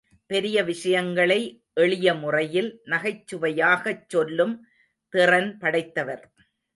பெரிய விஷயங்களை எளிய முறையில் நகைச் சுவையாகச் சொல்லும் திறன் படைத்தவர்.